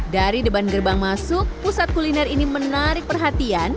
dari depan gerbang masuk pusat kuliner ini menarik perhatian